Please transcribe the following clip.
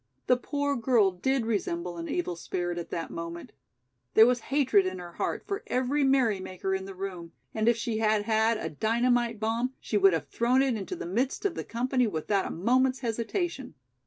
The poor girl did resemble an evil spirit at that moment. There was hatred in her heart for every merrymaker in the room, and if she had had a dynamite bomb she would have thrown it into the midst of the company without a moment's hesitation.